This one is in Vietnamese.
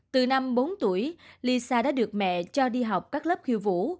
từ năm bốn tuổi lisa đã được mẹ cho đi học các lớp khiêu vũ